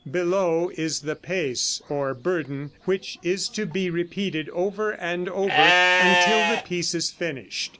Below is the pes, or burden, which is to be repeated over and over until the piece is finished.